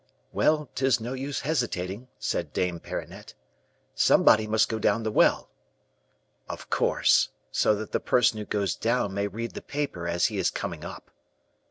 "'Well, 'tis no use hesitating,' said Dame Perronnette, 'somebody must go down the well.' "'Of course; so that the person who goes down may read the paper as he is coming up.